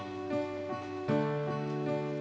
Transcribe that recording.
aku antarin ke depan